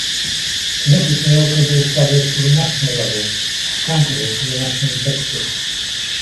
Committees may also be established at a national level, accountable to the National Executive.